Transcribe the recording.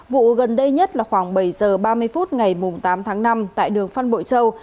vụ gần đây nhất là khoảng bảy h ba mươi phút ngày tám tháng năm tại đường phan bội châu